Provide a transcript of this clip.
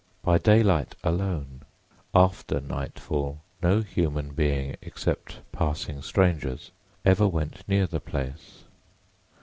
By daylight alone; after nightfall no human being except passing strangers ever went near the place.